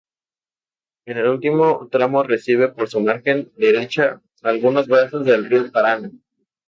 En el último tramo recibe por su margen derecha algunos brazos del río Paraná.